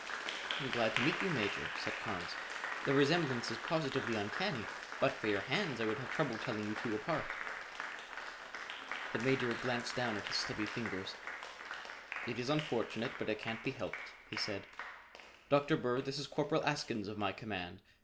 "I'm glad to meet you, Major," said Carnes. "The resemblance is positively uncanny. But for your hands, I would have trouble telling you two apart." The Major glanced down at his stubby fingers. "It is unfortunate but it can't be helped," he said. "Dr. Bird, this is Corporal Askins of my command.